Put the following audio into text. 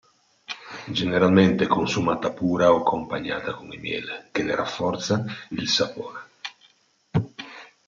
Generalmente è consumata pura o accompagnata con il miele, che ne rinforza il sapore.